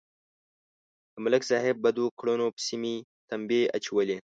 د ملک صاحب بدو کړنو پسې مې تمبې اچولې.